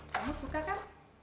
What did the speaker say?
kamu suka kan